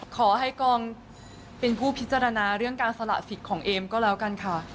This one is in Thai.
ขอให้กองเป็นผู้พิจารณาเรื่องการสละสิทธิ์ของเอมก็แล้วกันค่ะ